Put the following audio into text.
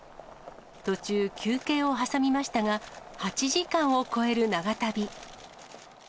途中、休憩を挟みましたが、８時間を超える長旅。